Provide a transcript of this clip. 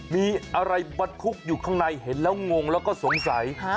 มีอะไรบรรทุกอยู่ข้างในเห็นแล้วงงแล้วก็สงสัย